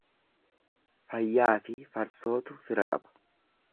Fayyaafi farsootu fira qaba.